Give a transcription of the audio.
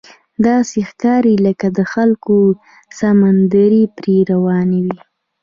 داسې ښکاري لکه د خلکو سمندر پرې روان وي.